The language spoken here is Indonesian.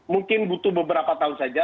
mungkin butuh beberapa tahun saja